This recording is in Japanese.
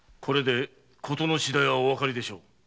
これで事の次第はおわかりでしょう。